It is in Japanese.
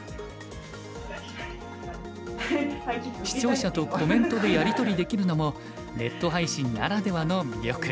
視聴者とコメントでやり取りできるのもネット配信ならではの魅力。